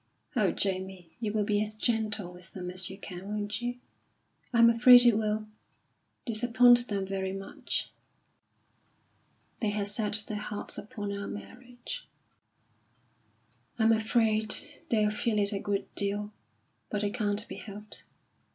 Oh, Jamie, you will be as gentle with them as you can, won't you? I'm afraid it will disappoint them very much." "They had set their hearts upon our marriage." "I'm afraid they'll feel it a good deal. But it can't be helped.